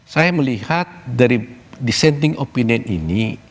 saya melihat dari dissenting opinion ini